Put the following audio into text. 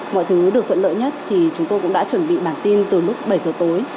mọi thứ được thuận lợi nhất thì chúng tôi cũng đã chuẩn bị bản tin từ lúc bảy giờ tối